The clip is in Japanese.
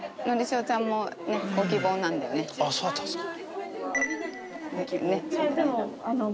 そうだったんですか。